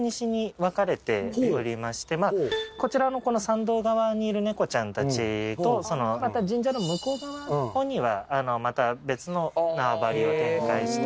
こちらの参道側にいる猫ちゃんたちと神社の向こう側のほうにはまた別の縄張を展開して。